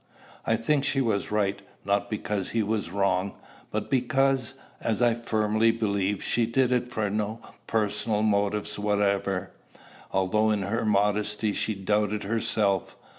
I think she was right; not because he was wrong, but because, as I firmly believe, she did it from no personal motives whatever, although in her modesty she doubted herself.